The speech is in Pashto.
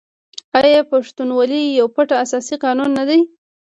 آیا پښتونولي یو پټ اساسي قانون نه دی؟